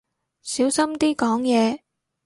小心啲講嘢